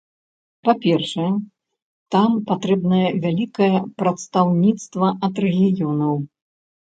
Па-першае, там патрэбнае вялікае прадстаўніцтва ад рэгіёнаў.